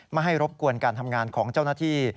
ไม่ให้รบกวนการทำงานของเจ้าหน้าที่